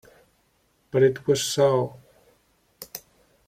But it was so.